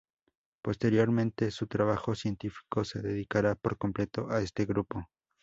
Posteriormente, su trabajo científico se dedicará por completo a este grupo.